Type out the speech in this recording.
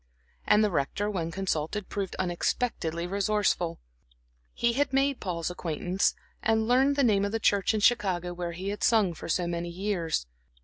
And the Rector, when consulted, proved unexpectedly resourceful. He had made Paul's acquaintance, and learned the name of the church in Chicago where he had sung for so many years.